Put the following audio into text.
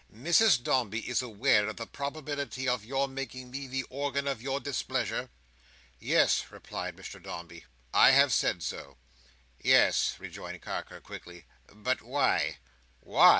Mrs Dombey is aware of the probability of your making me the organ of your displeasure?" "Yes," replied Mr Dombey. "I have said so." "Yes," rejoined Carker, quickly; "but why?"